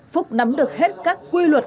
phúc nắm được hết các quy luật